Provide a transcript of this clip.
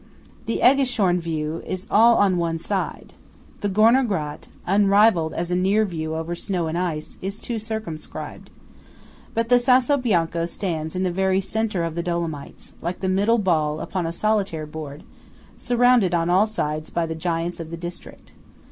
The Æggischorn view is all on one side. The Görner Grat, unrivalled as a near view over snow and ice, is too circumscribed. But the Sasso Bianco stands in the very centre of the Dolomites, like the middle ball upon a Solitaire board, surrounded on all sides by the giants of the district.